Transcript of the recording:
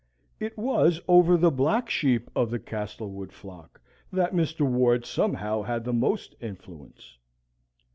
It was over the black sheep of the Castlewood flock that Mr. Ward somehow had the most influence.